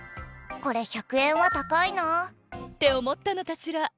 「これ１００円はたかいな」っておもったのかしら。